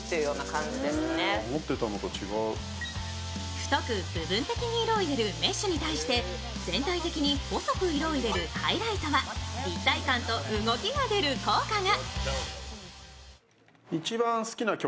太く部分的に色を入れるメッシュに対して全体的に細く色を入れるハイライトは立体感と動きが出る効果が。